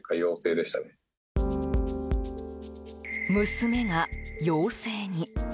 娘が陽性に。